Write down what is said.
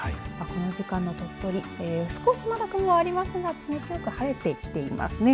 この時間の鳥取、少しまだ雲がありますが晴れてきていますね。